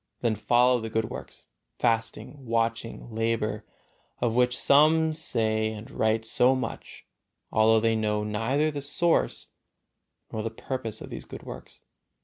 Then follow the good works, fasting, watching, labor, of which some say and write so much, although they know neither the source nor the purpose of these good works.